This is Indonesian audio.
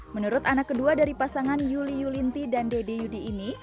menurut anak kedua dari pasangan yuli yulinti dan dede yudi ini